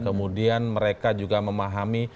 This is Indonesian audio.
kemudian mereka juga memahami